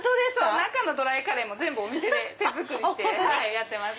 中のドライカレーも全部お店で手作りしてます。